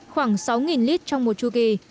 khoảng sáu lít trong một chu kỳ